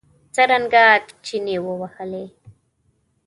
څرنګه چنې ووهلې.